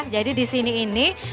jadi disini ini